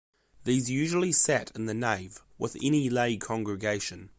These usually sat in the nave, with any lay congregation.